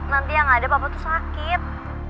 nanti yang gak ada bapak itu sakit